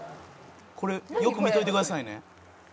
「これよく見といてくださいね」